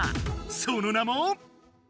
その名も？